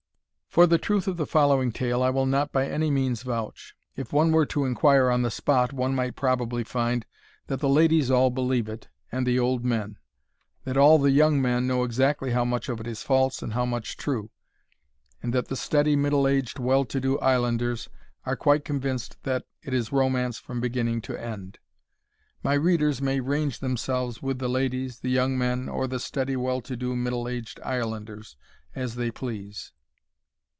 For the truth of the following tale I will not by any means vouch. If one were to inquire on the spot one might probably find that the ladies all believe it, and the old men; that all the young men know exactly how much of it is false and how much true; and that the steady, middle aged, well to do islanders are quite convinced that it is romance from beginning to end. My readers may range themselves with the ladies, the young men, or the steady, well to do, middle aged islanders, as they please.